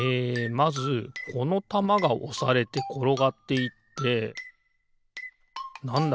まずこのたまがおされてころがっていってなんだ？